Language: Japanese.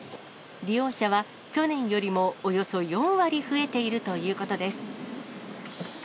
利用者は、去年よりもおよそ４割増えているということです。